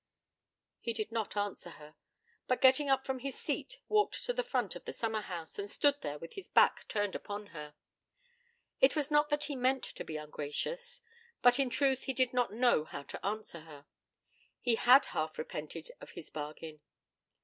He did not answer her; but getting up from his seat walked to the front of the summer house, and stood there with his back turned upon her. It was not that he meant to be ungracious, but in truth he did not know how to answer her. He had half repented of his bargain.